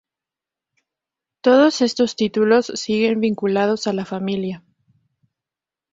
Todos estos títulos siguen vinculados a la familia.